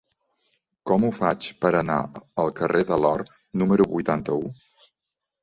Com ho faig per anar al carrer de l'Or número vuitanta-u?